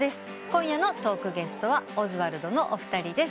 今夜のトークゲストはオズワルドのお二人です。